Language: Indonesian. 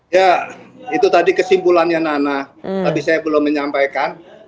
ya itu tadi kesimpulannya nana tapi saya belum menyampaikan